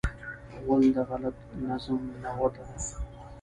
غول د غلط نظم نغوته ده.